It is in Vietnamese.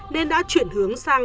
nên đã chuyển hướng sang